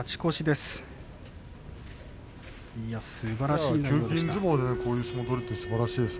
すばらしい内容です。